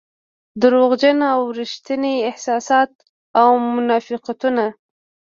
دروغجن او رښتيني احساسات او منافقتونه.